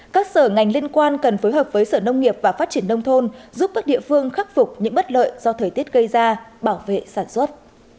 các sở ngành liên quan cần phối hợp với sở nông nghiệp và phát triển nông thôn giúp các địa phương khắc phục những bất lợi do thời tiết gây ra bảo vệ sản xuất